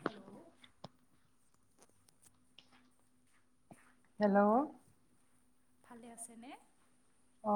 Hello [unintelligible] hello ভালে আছেনে?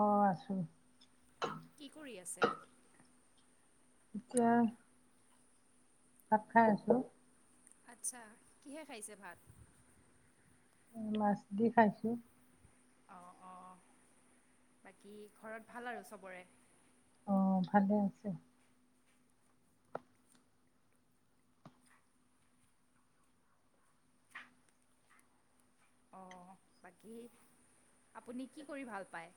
অ আছো কি কৰি আছে? এতিয়া ভাত খাই আছো আচ্ছা। কিহে খাইছে ভাত? মাছ দি খাইছো অ অ বাকী ঘৰত ভাল আৰু চবৰে অ ভালেই আছে অ, বাকী আপুনি কি কৰি ভাল পায়?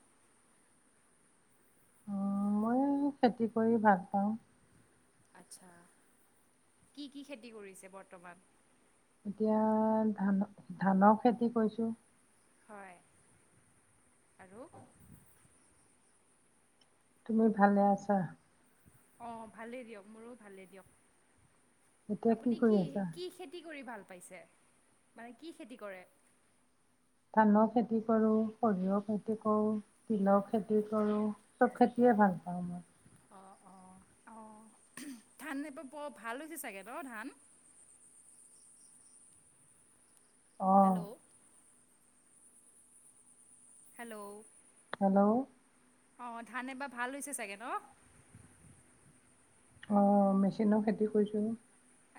উ মই খেতি কৰি ভাল পাওঁ। আচ্ছা। কি কি খেতি কৰিছে বৰ্তমান? এতিয়া ধান ধানৰ খেতি কৰিছো। হয়, আৰু? তুমি ভালে আছা? অ ভালেই দিয়ক মোৰো ভালেই এতিয়া দিয়ক আপুনি কৰি কি আছা কি খেতি কৰি ভাল? পাইছে। মানে কি খেতি কৰে? ধানৰ খেতি কৰোঁ, সৰিয়হ খেতি কৰোঁ, তিলৰ খেতি কৰো, চব খেতিয়ে ভাল পাওঁ মই অ অ অহ ধান এইবাৰ বৰ ভাল হৈছে চাগে ন ধান? অঁ হেল্ল' হেল্ল' হেল্ল' অ ধান এবাৰ ভাল হৈছে চাগে ন অ মেচিনৰ খেতি কৰিছোঁ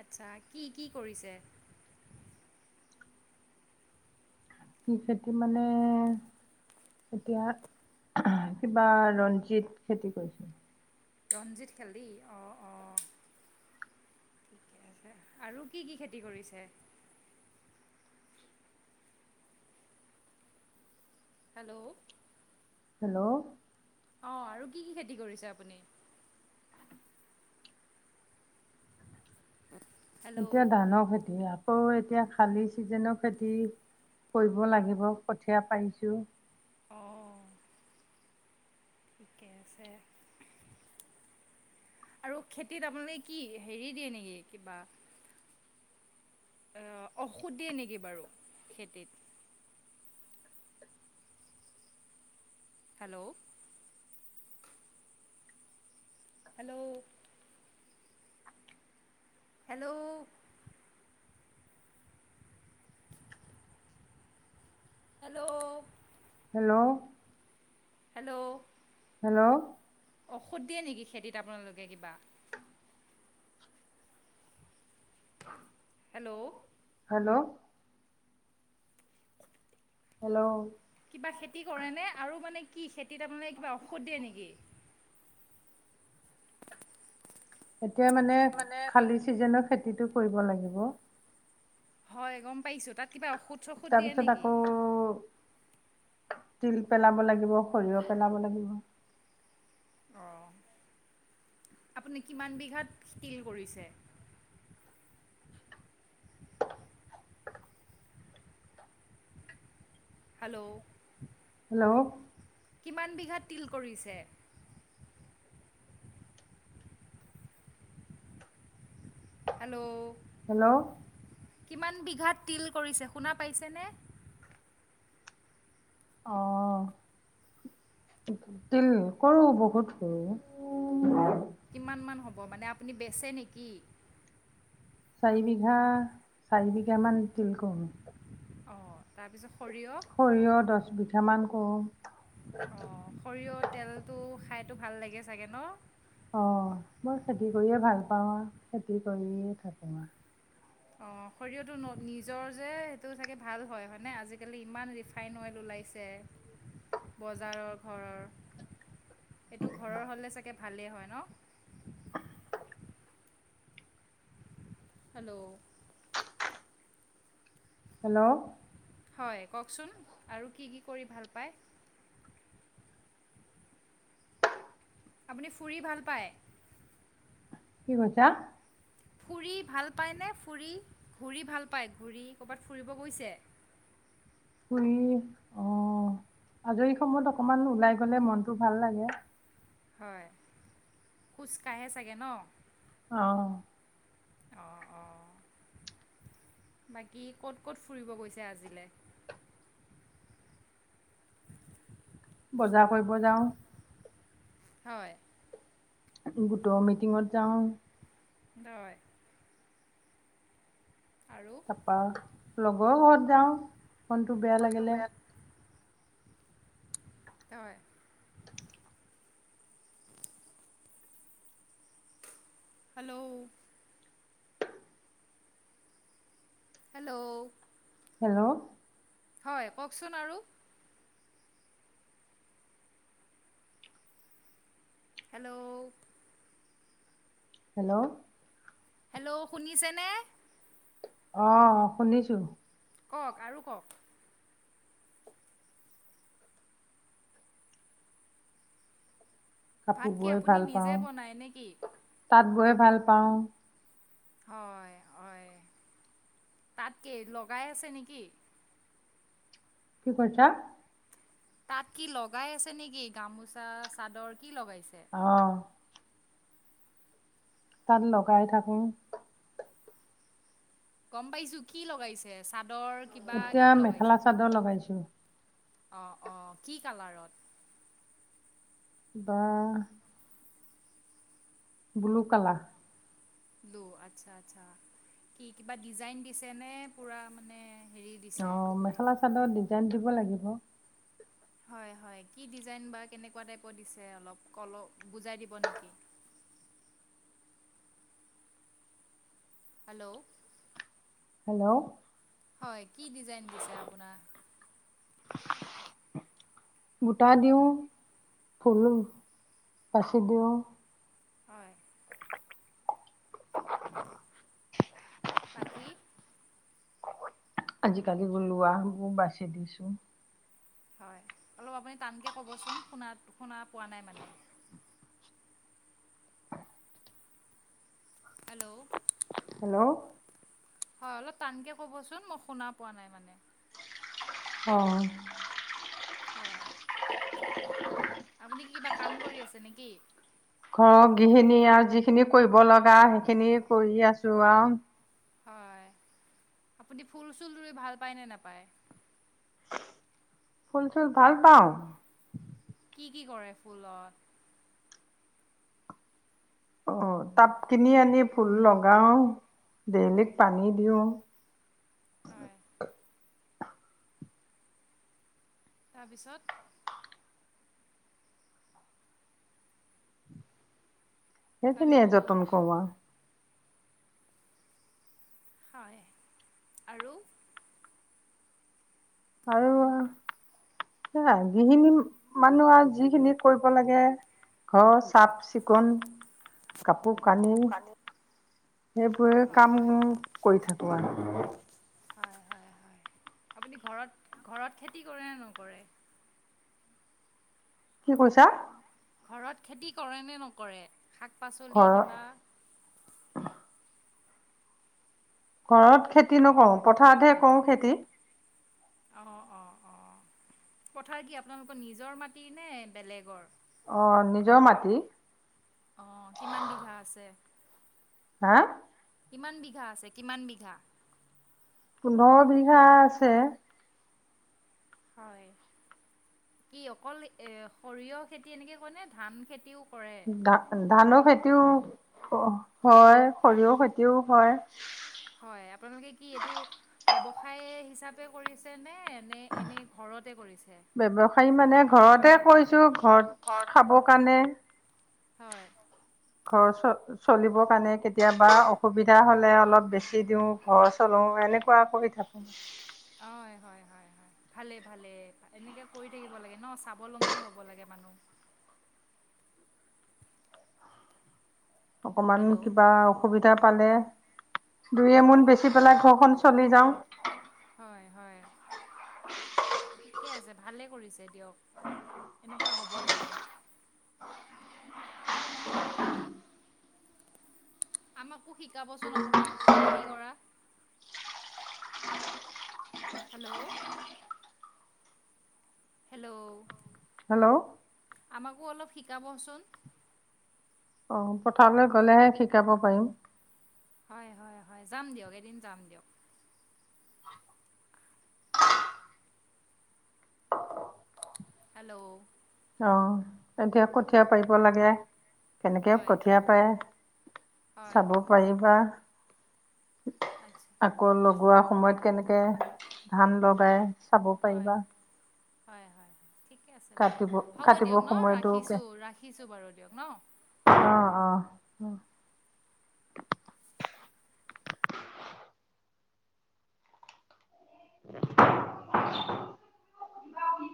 আচ্ছা কি কি কৰিছে কি খেতি মানে এতিয়া কিবা আহ ৰঞ্জিত খেতি কৰিছো ৰঞ্জিত খেতি অ অ ঠিকে আছে আৰু কি কি খেতি কৰিছে হেল্ল' হেল্ল' অ আৰু কি কি খেতি কৰিছে আপুনি হেল্ল' এতিয়া ধানৰ খেতি আকৌ এতিয়া খালি ছিজেনৰ খেতি কৰিব লাগিব কঠীয়া পাৰিছোঁ অ আৰু খেতিত আপোনালোকে কি হেৰী দিয়ে নেকি কিবা ঔষুধ দিয়ে নেকি বাৰু খেতিত hello hello hello hello hello hello hello ঔষধ দিয়ে নেকি খেতিত আপোনালোকে কিবা হেল্ল' হেল্ল' হেল্ল' কিবা খেতি কৰে নে আৰু মানে কি খেতিত আপুনালোকে কিবা ঔষধ দিয়ে নেকি এতিয়া মানে খালী চিজনৰ খেতি সেইটো কৰিব লাগিব হয় গম পাইছোঁ তাত কিবা ঔষুধ তাৰপিছত আকৌ তিল পেলাব লাগিব সৰিয়হ পেলাব লাগিব অ আপুনি কিমান বিঘাত তিল কৰিছে হেল্ল' হেল্ল' কিমান বিঘাত তিল কৰিছে হেল্ল' হেল্ল' কিমান বিঘাত তিল কৰিছে শুনা পাইছেনে অ তিল কৰোঁ বহুত কৰোঁ অ মানে আপুনি বেচে নেকি চাৰি বিঘা চাৰি বিঘা মান তিল কৰো অ তাৰপিছত সৰিয়হ সৰিয়হ দহ বিঘা মান অ অ সৰিয়হ তেলটো খাই ভাল লাগে চাগে ন অ মই খেতি কৰিয়ে ভাল পাওঁ আৰু খেতি কৰিয়ে থাকো আৰু অ শৰিয়হৰটো নিজৰ যে সেইটো চাগে ভাল হয় হয়নে আজিকালি ইমান ৰিফাইন অইল ওলাইছে বজাৰৰ ঘৰৰ এইটো ঘৰৰ হ'লে চাগে ভালে হয় হেল্ল' হেল্ল' হেল্ল' হয় কওক চোন আৰু কি কি কৰি ভাল পায় আপুনি ফুৰি ভাল পায় কি কৈছা ফুৰি ভাল পায়নে ফুৰি ঘূৰি ভাল পায় ঘূৰি কৰ বাত ফুৰিব গৈছে ঘৰি অ আজৰি সময়ত অকমান ওলাই গলে মনতটো ভাল লাগে হয় খোজকাৰে চাগে ন আহ অঁ অঁ বাকী ক'ত ক'ত ফুৰিব গৈছে আজিলৈ বজাৰ কৰিব যাওঁ হয় গোটৰ মিটিঙত যাওঁ হয় আৰু অহ লগৰ বহুত য মনটো বেয়া লাগিলে হয় হেল্ল' হেল্ল' হেল্ল' হয় কওকচোন আৰু হেল্ল' হেল্ল' হেল্ল' শুনিছে নে আহ শুনিছো কওক আৰু কওক ভাত কাপোৰ কি আপুনি নিজে বনাই নে কি তাত গৈ ভাল পাওঁ হয় হয় তাতকে লগাই আছে নেকি কি কৰিছা তাত কি লগাই আছে নেকি গামোচা চাদৰ কি লগাইছে অ তাত লগাই থাকো গম পাইছো কি লগাইছে চাদৰ কিবা এতিয়া মেখেলা চাদৰ লগাইছো অহ ', - অহ ', কি কালাৰত। বাহ ', ব্লু কালাৰ। লো আচ্ছা- আচ্ছা কি কিবা ডিজাইন দিছে নে পুৰা মানে হেৰি দিছে? অহ ', মেখেলা চাদৰ দি জান দিব লাগিব। হয় - হয় কি ডিজাইন বা কেনেকুৱা টাইপৰ দিছে অলপ বুজুৱাই দিব নেকি। হেল্ল', হেল্ল', হয় কি ডিজাইন দিছে আপোনাৰ? বুটা দিওঁ, ফুল পাচি দিওঁ। হয়। বাকী আজিকালি লোৱাবোৰ বাচি দিছো। হয় অলপ আপুনি টানকে কবচোন শুনা - শুনা পোৱা নাই মানে। হেল্ল', হেল্ল', হয় অলপ টানকে কবচোন মই শুনা পোৱা নাই মানে। অহ ', হয়। আপুনি কিবা কাম কৰি আছে নেকি? ঘৰৰ গিখিনি আৰু যিখিনি কৰিব লগা সেইখিনি কৰি আছো আৰু। হয় আপুনি ফুল চুল ৰুই ভাল পায় নে নাপায়? ফুল চুল ভাল পাওঁ। কি- কি কৰে ফুলত? অহ ', টাপ কিনি আনি ফুল লগাও দেইলি পানী দিও। হয় তাৰপিছত সেইখিনিয়ে হেল্ল'। যতন কৰো আৰু। হয় আৰু। আৰু হেই আৰু গৃহিনী মানুহ আৰু যিখিনি কৰিব লাগে ঘৰ চাফ চিকুণ কাপোৰ কানি, সেইবোৰে হয় কাম হয়। কৰি থাকো আৰু। আঁহ ', আপুনি ঘৰত - ঘৰত খেতি কৰে নে নকৰে? কি কৈছা। ঘৰত খেতি কৰে নে নকৰে? শাক পাচলি ঘৰৰ কিবা। ঘৰত খেতি নকৰো পথাৰতহে কৰো খেতি। অহ- অহ -অহ পথাৰ কি আপোনালোকৰ নিজৰ মাটি নে বেলেগৰ? অহ ', নিজৰ মাটি। অহ ', কিমান বিঘা আছে? হাহ ', কিমান বিঘা আছে কিমান বিঘা? পোন্ধৰ বিঘা আছে। হয় কি অকল এহ ', সৰিয়হ খেতি এনেকে কৰে নে ধান খেতিও? কৰে? অ হয় সৰিয়হ খেতিও হয় হয় আপোনালোকে কি এইটো ব্যৱসায় হিচাপে কৰিছেনে ব্যৱসায় মানে ঘৰতে কৈছোঁ ঘৰত খাব কাৰণে হয় ঘৰ চ চলিবৰ কাৰণে কেতিয়াবা অসুবিধা হ'লে অলপ বেছি দিওঁ ঘৰ চলো এনেকুৱা কৰি থাকোঁ অ হয় হয় হয় ভালে ভালে এনেকে কৰি থাকিব লাগে ন স্বাৱলম্বী হব লাগে মানুহ অকমান হেল্ল' কিবা অসুবিধা পালে দুই এমোন হয় বেচি পেলাই ঘৰখন চলি যাওঁ হয় হয় ঠিকে আছে ভালে কৰিছে দিয়ক এনেকুৱা হ'ব লাগে আমাকো শিকাবচোন অকমান খেতি কৰা হেল্ল' হেল্ল' হেল্ল' অঁ আমাকো অলপ শিকাবচোন অ পথাৰলৈ গলেহে শিকাব পাৰিম হয় হয় হয় যাম দিয়ক এদিন যাম দিয়ক হেল্ল' অ এতিয়া কঠিয়া পাৰিব লাগে কেনেকে হয় কঠীয়া পায়ে হয় চাব পাৰিবা আচ্ছা আকৌ ঠিক আছে লগোৱা সময়ত কেনেকৈ ধান লগাই চাব হয় পাৰিবা হয় হয় হয় ঠিক বাৰু কাটিব হ'ব দিয়ক কাটিবৰ ন সময়তো ৰাখিছো ৰাখিছো বাৰু দিয়ক ন উম [unintelligible]